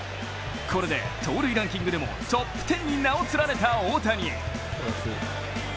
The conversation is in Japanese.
これで盗塁ランキングでもトップ１０に名を連ねた大谷。